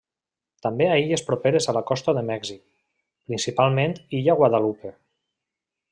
També a illes properes a la costa de Mèxic, principalment illa Guadalupe.